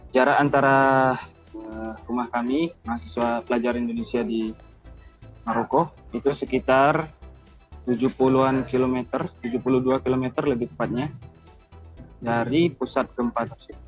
jarak antara rumah kami mahasiswa pelajar indonesia di maroko itu sekitar tujuh puluh an kilometer tujuh puluh dua km lebih tepatnya dari pusat gempa tersebut